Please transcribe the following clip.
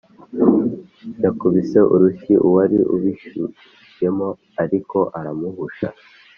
yakubise urushyi uwari ubishyushyemo ariko aramuhusha,